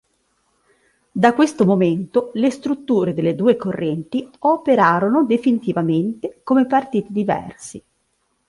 Da questo momento le strutture delle due correnti operarono definitivamente come partiti diversi.